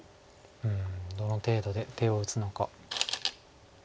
うんどの程度で出を打つのか。